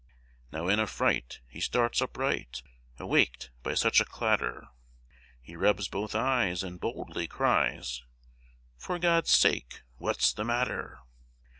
Now in a fright, he starts upright, Awaked by such a clatter; He rubs both eyes, and boldly cries, "For God's sake, what's the matter?"